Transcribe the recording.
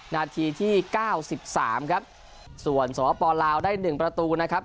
นาทีที่๙๓ครับส่วนสรพปลาวได้๑ประตูนะครับ